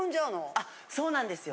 あっそうなんですよ